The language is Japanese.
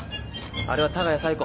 あれは多賀谷彩子。